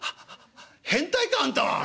「変態かあんたは！